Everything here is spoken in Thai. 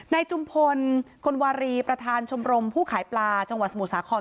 จุมพลคนวารีประธานชมรมผู้ขายปลาจังหวัดสมุทรสาคร